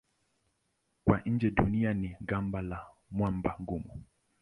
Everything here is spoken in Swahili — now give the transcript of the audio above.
Kwa nje Dunia ina gamba la mwamba mgumu.